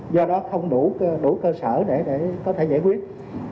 do đó không đủ cơ sở để có thể giải quyết